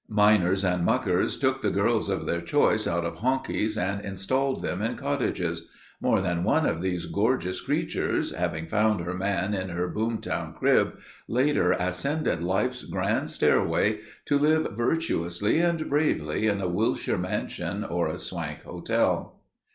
Miners and muckers took the girls of their choice out of honkies and installed them in cottages. More than one of these gorgeous creatures, having found her man in her boom town crib, later ascended life's grand stairway to live virtuously and bravely in a Wilshire mansion or a swank hotel.